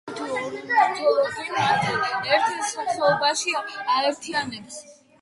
ზოგიერთი ორნითოლოგი მათ ერთ სახეობაში აერთიანებს.